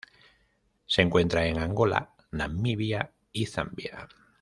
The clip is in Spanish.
Se encuentra en Angola, Namibia y Zambia.